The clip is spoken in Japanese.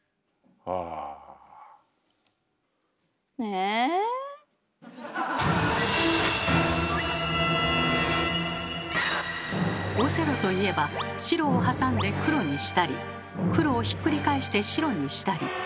えぇ⁉オセロといえば白をはさんで黒にしたり黒をひっくり返して白にしたり。